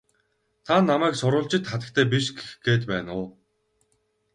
Та намайг сурвалжит хатагтай биш гэх гээд байна уу?